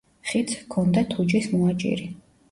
ხიდს ჰქონდა თუჯის მოაჯირი.